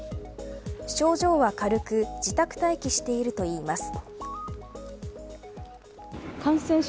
症状は軽く自宅待機しているといいます。